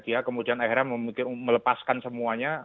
dia kemudian akhirnya melepaskan semuanya